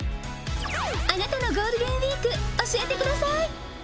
あなたのゴールデンウィーク教えてください！